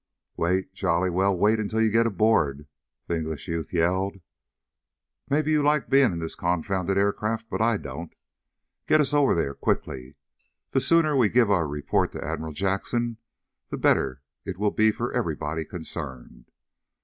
"Wait, jolly well wait until you get aboard!" the English youth yelled. "Maybe you like being in this confounded aircraft, but I don't. Get us over there, quickly. The sooner we give our report to Admiral Jackson the better it will be for everybody concerned.